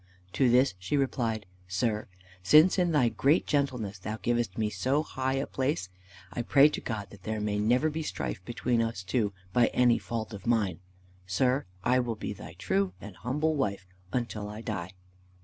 To this she replied: "Sir, since in thy great gentleness thou givest me so high a place, I pray to God that there may never be strife between us two by any fault of mine. Sir, I will be thy true and humble wife until I die!"